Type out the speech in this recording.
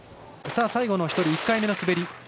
最後の１人、１回目の滑り